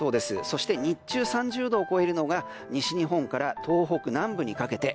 そして日中３０度を超えるのが西日本から東北南部にかけて。